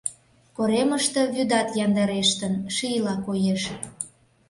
Коремыште вӱдат яндарештын, шийла коеш.